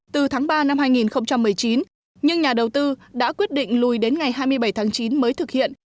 từ tháng ba năm hai nghìn một mươi chín nhưng nhà đầu tư đã quyết định lùi đến ngày hai mươi bảy tháng chín mới thực hiện